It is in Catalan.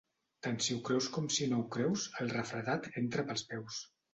Tant si ho creus com si no ho creus, el refredat entra pels peus.